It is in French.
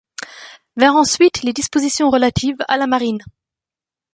Vinrent ensuite les dispositions relatives à la marine.